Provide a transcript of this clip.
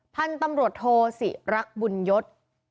ท่านตำรวจโทษิรักบุญยศ